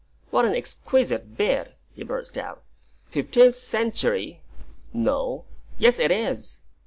"What an exquisite bit!" he burst out; "fifteenth century, no, yes, it is!"